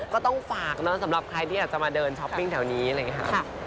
ก็ต้องฝากสำหรับใครที่อยากจะมาเดินช้อปปิ้งแถวนี้เลยค่ะ